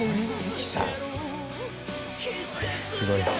すごいね。